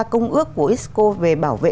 công ước của unesco về bảo vệ